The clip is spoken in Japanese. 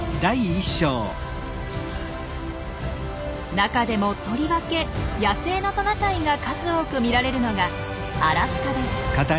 中でもとりわけ野生のトナカイが数多く見られるのがアラスカです。